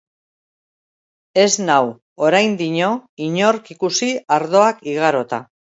Ez nau oraindino inork ikusi ardoak igarota.